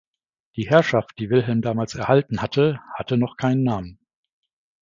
Die Herrschaft, die Wilhelm damals erhalten hatte, hatte noch keinen Namen.